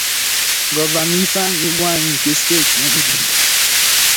Gọvanọ Ifeanyị Ugwuanyị nke Steeti Enugu